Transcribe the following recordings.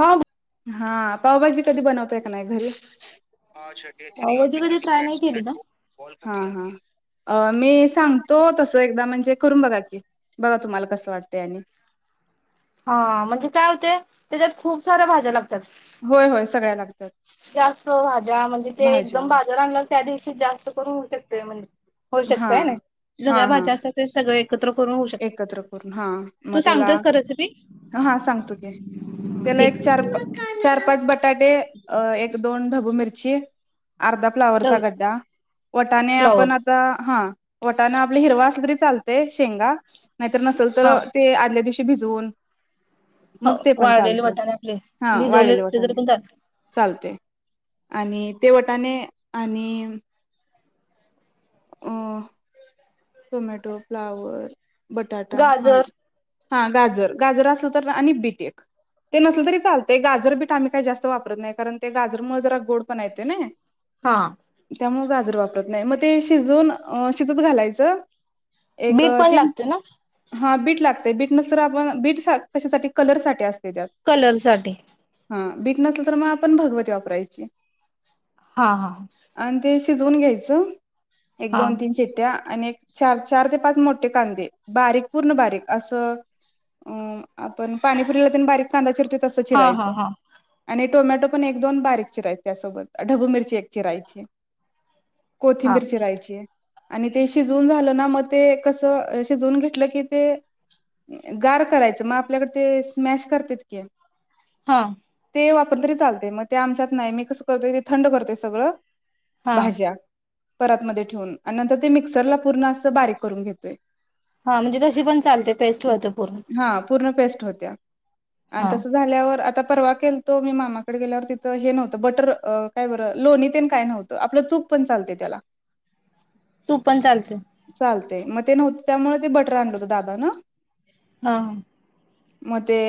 हां हा पावभाजी, कधी बनवताय का नाही घरी पावभाजी कधी ट्राय नाही केली का? [unintelligible] अं, मी सांगतो तसं एकदा म्हणजे, करून बघा की? बघा तुम्हाला कसं वाटतेय आणि हां, म्हणजे काय होते, त्याच्यात खूप साऱ्या भाज्या लागतात. होय, होय सगळ्या लागतात. जास्त भाज्या म्हणजे, ते भाज्या एकदम बाजार आणलासा त्या दिवशी जास्त करून ऊ शकतेय म्हणे होऊ हा शकतय, हा सगळ्या हा भाज्या असल्या तरी सगळे, एकत्र करून हा मग तू त्याला सांगतेस का रेसिपी हां सांगतो की त्याला ते एक चार चार पाच ब.. बटाटे, एक-दोन ढबू मिर चे अर्धा फ्लावरचा गड्डा वटाने फ्लॉवर आपण आता हां.. वटाणा आपलं हिरवा असलाय तरी चालतेय, शेंगा.. नाहीतर नसेल तर हा ते आदल्या दिवशी.. भिजवून हो मग ते पण वाळलेले चालतं वाटाणे आपले हा भिजवले वाळलेले असले तरी वटाणे पण चालते चालतेय आणि ते... त्याने आणि अ टोमॅटो फ्लावर बटाटा हा गाजर हा गाजर गाजर असलं तर आणि बीट एक ते नसलं तरी चालतं गाजर बीट आम्ही काही जास्त वापरत नाही कारण ते गाजर मु जरा गोड पण येत ना हा त्यामुळ नाही मग ते शजून शिज घालायच तर बीट पण लागत ना हा बीट लागतेय बीट नस तरर आपण बीट कशासाठी कलरसाठी असत कलरसाठी बीट नसल तर मग आपण भगवती वापरायची हा हा आणि ते शिजवून घ्यायचं एक हा दोन तीन शिट्ट्या आणि चार चार ते पाच मोठे कांदे बारीक पूर्ण बारीक असं अ आपण पाणीपुरीला बारीक कांदा चिरतोय तस हा चिरायच हा आणि टोमॅटो पण एक दोन बारीक चिरायचे त्यासोबत ढबू मिरची एक चिरायची हा कोथिंबिरची चिरायची आणि ते शिजून झालं ना मग ते कस शिजून घेतलं की ते गार करायच मग आपल्याकडे ते स्मॅश करतेतक हा ते वापर तरी चालते मग ते आमच्या नाही मी कसं करतोय ते थंड करतोय सगळं हा भाज्या परत मध्ये ठेऊून आणि नंतर ते मी मिक्सर पूर्ण अस बारीक करून घेतोय हा म्हणजे तशी पण चालते पेस्ट वते पूरण बेस्ट होत्या आणि तस झाल्यावर आता परवा केलतो मी मामाकडे गेल्यावर तिथं हे नव्हतं बटर काय बरं लोणी तेन काय नव्हतं आपलं तूप पण चालते त्याला तूप पण चालते. मग चालतंय ते नव्हत त्यामुळे ते बटर आणलं होत दादान. हा मग ते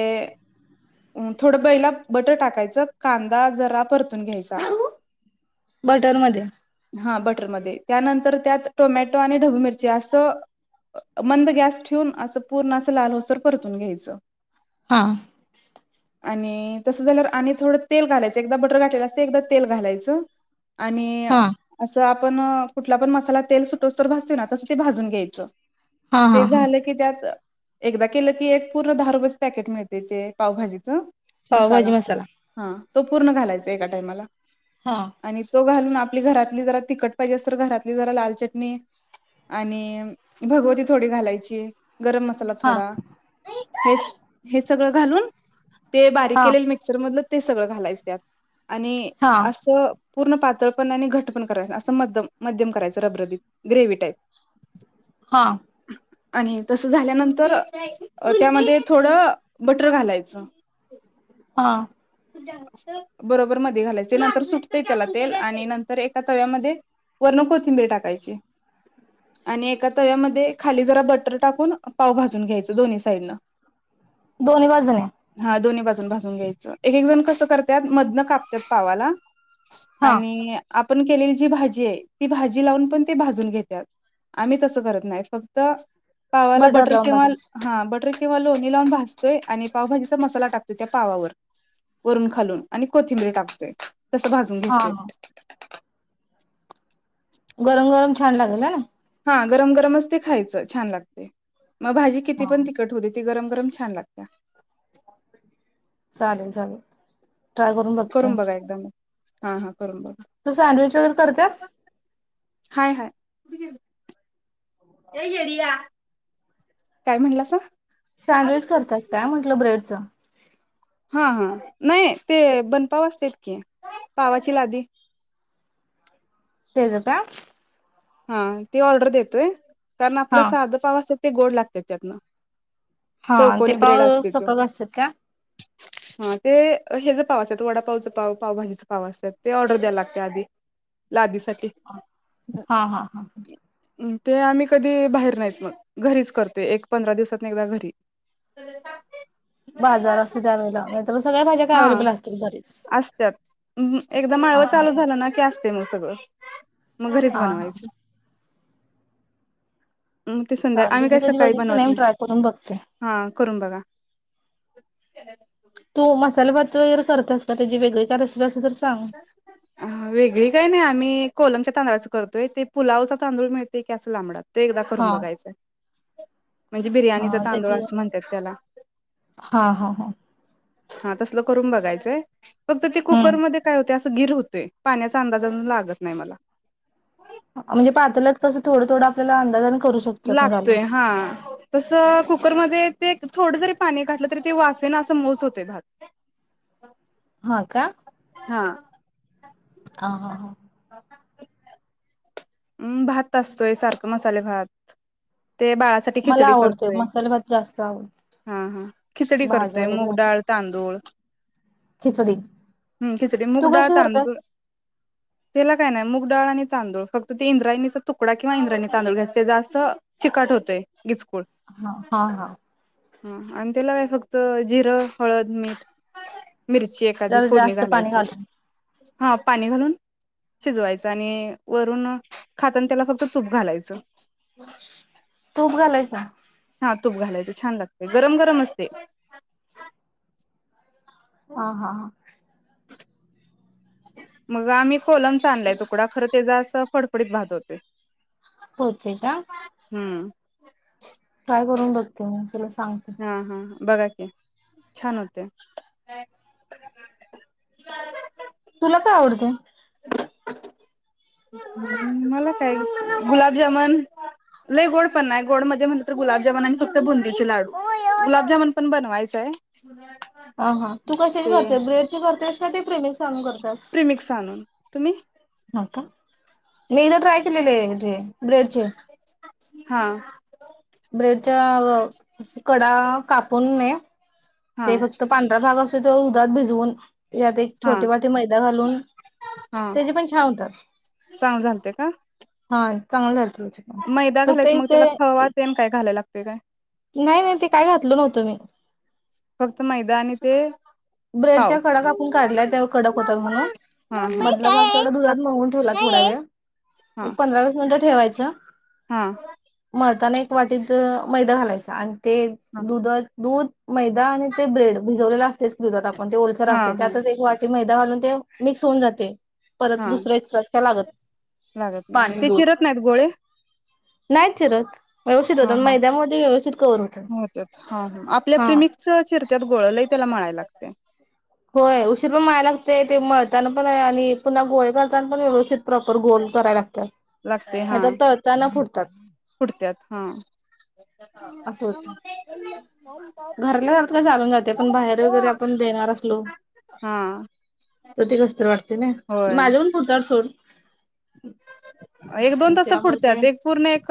थोडं पहिला बटर टाकायचं कांदा जरा परतून घ्यायचा बटर मध्ये हा बटरमध्ये त्यानंतर त्यात टोमॅटो आणि ढबू मिरची ते अस मंद गॅस ठेवून अस पूर्ण अस लाल होऊस्तर परतून घ्यायचं. हा आणि तसं झाल्यावर आणि थोडं तेल घालायचं. एकदा बटर घातलेलं असतय एकदा तेल घालायचं. आणि हा असं आपण कुठला पण मसाला तेल सुटूसतोवर भाजतोय ना ते तसं भाजून घ्यायचं. हा हा ते हा. झालं की त्यात एकदा केलं की एक पूर्ण दहा रुपयाचं पॅकेट मिळतंय ते पावभाजीचं मसाला हा तो पूर्ण घालायचा एका टाइमाला हा आणि तो घालून आपली घरातली जरा तिखट पाहिजे असेल तर घरातली जरा लाल चटणी आणि भगव ती थोडी घालायची. गरम मसाला हा थोडा हे हे सगळं घालून ते बारीक हा केलेल मिक्सर मधलं ते सगळं घालायच त्यात आणि हा असं पूर्ण पातळ पण आणि घट्ट पण करायच असं मध्यम करायचं रबरबीत ग्रेव्ही टाईप हा आणि तस झाल्यानंतर त्यामध्ये थोडं बटर घालायचं. अच्छा हा. बरोबर मध्ये घालायचे नंतर सुटतेय त्याला तेल आणि एका तव्यामध्ये वरण कोथिंबीर टाकायची आणि एका तव्यामध्ये खाली जरा बटर टाकून पाव भाजून घ्यायचं दोन्ही साईडनं. दोन्ही बाजूने? हा दोन्ही बाजून भाजून घ्यायचं एक एक जण कसं करत्यात मधण हा. आणि आप आपण केलेली जी भाजी आहे ती भाजी लावून पण ते भाजून घेतात. आम्ही तसं करत नाही फक्त पावाला बटर लावून किंवा भाजायची. हा बटर तेव्हा लोणी लावून भाजतोय आणि पावभाजीचा मसाला टाकतोय त्या पावावर वरून खालून आणि कोथिंबीर टाकतोय तस भाजून हा घेतोय हा. गरम गरम छान लागेल होय ना हा गरम गरमच ते खायचं छान लागते मग भाजी किती हा. पण तिखट होऊ दे गरम गरम छान लागतीया. चालेल चालेल. ट्राय करून बघते. बघा एकदा मग हा हा. करून बघा तू सँडविच वगैरे करतेस? हय हय ए येड्या. काय म्हणलासा? सँडविच करतास काय म्हटलं ब्रेडचं. हा हा नाही ते बनपाव असतेत की पावाची लादी. लेझ का? हा ती ऑर्डर देतोय. कारण आपलं हा. साधं पाव असत्यात ते गोड लागत्यात त्यातन. हा ते पाव सपक असतात का? हा ते हे ज पाव असत वडापावच पाव पावभजीच पाव असतात ते ऑर्डर द्याय लागते आधी लादी साठी हा हा. ह हा ह. ते आम्ही कधी बाहेर नाहीच मग घरीच करतोय एक पंधरा दिवसात एकदा घरी. बाजार असतो त्या वेळेला नाही तर सगळ्या भाज्या काय हा अवेलेबल असत्यातच घरी. असत्यात हा हा हा. ते मग सगळं मग घरीच हा बनवायच. मग ते संध्या चाल आम्ही मी काही कधी सकाळी बघित बनवत नाही ट्राय करून बघते हा करून बघा तू मसाला भात वगैरे करतेस का त्याची वेगळी काय रेसिपी असेल तर सांग. अ वेगळी काही नाही आम्ही कोलमच्या तांदळाच करतोय ते पुलावचा तांदूळ मिळतेय की असं लांबडा. ते एकदा हा. करून बघायचय म्हणजे हा बिर्याणीचा तांदूळ त्याची असं म्हणत्यात तेला. हा हा हा हा तसलं करून बघायचंय. फक्त हम्म. ते असं गिर होतय. पाण्याचा अंदाज अजून लागत नाही मला. अ म्हणजे पातेल्यात कस थोडं थोडं आपल्याला अंदाजान लागतोय हा तस कुकरमध्ये ते थोडं जरी पाणी घातलं तरी ते वाफेन असा मऊच होतोय भात. हा -का? हा. हा हा हा ऊं भात असतोय सारखं मसाले भात. ते बाळासाठी मला खिचडी आवडतोय करतोय. मसाले भात जास्त आवडतो हा हा खिचडी भाज्या करतोय वगैरे मुग घालून. डाळ, तांदूळ. खिचडी हूं -खिचडी. तू मुगडाळ, कशी तांदूळ करतेस? त्याला काय नाही- मूग डाळ आणि तांदूळ फक्त. ते इंद्रायणीचा तुकडा किंवा इंद्रायणी तांदूळ घ्यायचं ते जास्त चिकट होतेय. हा [unintelligible] हा हा. ह आणि त्याला हे फक्त जिरं, हळद, मीठ. मिरची एखादी जरा फोडणी जास्त पाणी घालायच. घालून हा -पाणी घालून. शिजवायच आणि वरून खातना त्याला फक्त तूप घालायचं. तूप घालायच? हा तूप घालायचं, छान लागत गरम गरम असते. ह हा हा. मग आम्ही कोलम चा आणलाय तुकडा खरं त्याचा अस फडफडीत भात होतेय. होते का? हो ्ट्राय करून बघते मी सांगते हा हा ह. बघा की छान होते. [inaudible] तुला काय आवडते मला काय गुलाबजामन लय गोड पण नाही. गोड मध्ये म्हटलं तर गुलाबजामन आणि फक्त बुंदीचे लाडू. गुलाबजामुन पण बनवायच हाय. हा हा तू कशाची करतेस? ब्रेड चे करतेस का ते प्रे सांगर. प्रिमिक्स आणून. तुमी? हो का. मी एकदा ट्राय केलेले म्हणजे ब्रेड चे. हा. ब्रेड च्या अ कडा कापून ने हा ते फक्त पांढरा भाग अस [unintelligible] भिजवून. यात एक हा छोटे वाटे मैदा घालून हा त्याचे पण छान होतात चांगलं झालते का हा. चांगलं. त्याचे पण मैदा फक्त घालायचं मग त्याला इथे खवा तेन काय घालायला लागत. काय? नाही नाही ते काय घातल नव्हतं मी. फक्त मैदानी ते ब्रेड पाव कडक आपण काढल्या त्या कडक होतात म्हणून हा मधलं मग तेवढा हा दुधात मिळवून ठेवला थोडा वेळ हा एक पंधरा वीस मिनिटं ठेवायच. जा. हा. मळताना एक वाटीत मैदा घालायचा आणि मग ते दुध दूध मैदा आणि ते ब्रेड भिजवलेला असतेच. दुधात. म्हणजे ओलर हा असते हा त्यातच एक वाटी मैदा घालून ते मिक्स होऊन जाते. परत हा दुसरेच त्या लागत. लागत नाही पाणी ते दूध चिरत नाहीत गोळे नाही चिरत. व्यवस्थित हा होतात हा मैद्यामध्ये व्यवस्थित कवर होतात होत्यात हा ह आपल्या हा प्रेमिकच चिरत्यात गोळ लय त्याला मळायला लागतय. होय उशीर पण माय लागते ते मळताना पण आणि पुन्हा गोळे करताना पण व्यवस्थित प्रॉपर गोल करायला लागतात लागते हा नाहीतर तळताना फुटतात पुढत्यात हा असं होतं घरातल्या घरात काय चालून जाते पण बाहेर वगैरे आपण देणार असलो हा तर ते कसतरी वाटतय ना होय माझ्या पण फुटत्यात. सून एक दोन तस काय पुडत एक पूर्ण एक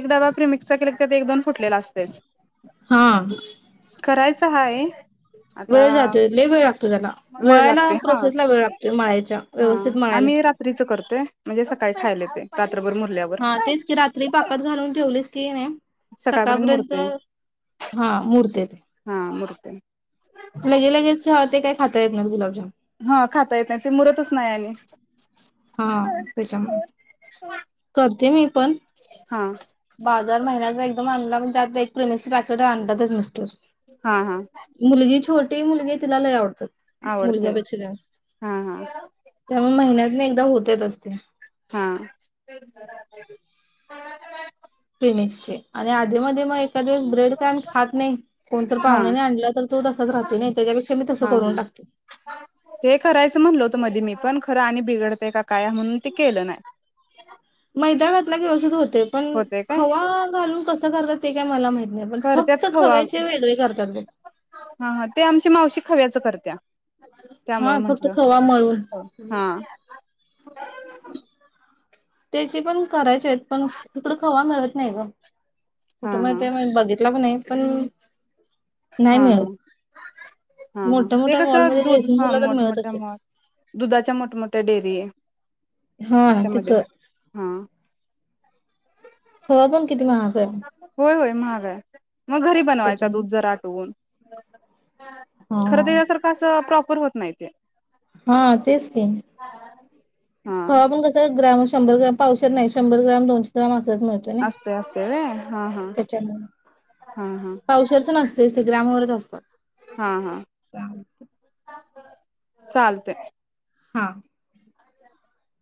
एकदा बापरी मिक्स केले एक दोन फुटलेला असतेच. हा. करायचं हाय. आता वेळ जातो लय वेळ लागतो त्याला वेळ मळाला लागते हा प्रोसेस ला वेळ लागतोय माळच्या हा व्यवस्थित मळाला आम्ही लागत. रात्रीच करतोय म्हणजे सकाळी खायला ते हा तेच की रात्री पाकात घालून ठेवलीस की नाही. सकाळपर्यंत हा मूर्त [unintelligible] हा मुरते लगे लगेच घेवाते काय खातय मग जुलाबजाम हा खाता येत नाही ते मुरतच नाही आणि हा त्याच्या करते मी पण हा बाजार महिन्याचा एकदम आणला म्हणजे त्यात प्रिमनस पाॅकेट अंत्यात मिस्टर हा हा मुलगी छोटी मुलगी तिला ल आवडतात आवडते मुलग्यापेक्षा जास्त हा हा त्यामुळे महिन्या होतच असते हा क्लिनिकस चे आणि आधी मध्ये मग त्यातस ब्रेड काय खात नाही कोणत हा पाहुणे नाही आणला तर तो तसच राहते नाही त्याच्यापेक्षा मी तसं हा करून हा टाकते. ते करायचं म्हणल होतं मध्ये मी पण खरं आणि बिघडते का काय म्हणून ते केलं नाही मैदा घातला की असस होत ते पण होतय काय खवा घालून कस करतात ते काय मला माहित नाही पण करत्यात फक्त खवा खव्याचे वेगळे करतात. त करत्या हा त्यामुळे फक्त म्हंटलं खवा मळुन हा हा त्याची पण करायचे आहेत. पण इकडं खवा मिळत नाही ग हा कुठे मिळतय [inaudible] बघितला पण नाही स पण नाही हा हा मिळत. हा मोठ्या हा ते मोठ्या कस मॉलमध्ये दूध जयसिंग हा पूरला तर मिळत मोठमोठ्या असेल. माल दुधाधाच्या मोठमोठ्या डेअरी हा अशामध्ये तिथं हा ह पण किती महाग आहे होय होय महाग आहे मग घरी बनवायच त्याच्याने. दूध जर आटवून खर हा. त्याच्यासारखं अस प्रॉपर होत माहिती ए हा तेच ते हा खवा पण कस ग्राम शंभर ग्रॉमपावशेर नाही शंभर ग्रॉम दोशे ग्राम अस असअस हय हा हा त्याच्यामुळे हा हा पावशेरच नसतयच ते ग्रामवरच असतं हा हा चालत चालतय हा [unintelligible]